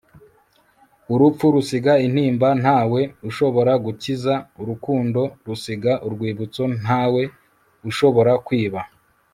urupfu rusiga intimba ntawe ushobora gukiza, urukundo rusiga urwibutso ntawe ushobora kwiba